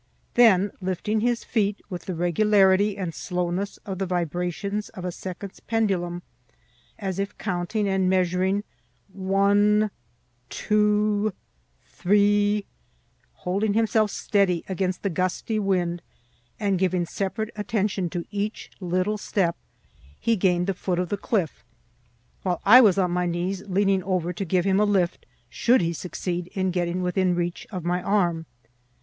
Then, lifting his feet with the regularity and slowness of the vibrations of a seconds pendulum, as if counting and measuring one two three, holding himself steady against the gusty wind, and giving separate attention to each little step, he gained the foot of the cliff, while I was on my knees leaning over to give him a lift should he succeed in getting within reach of my arm.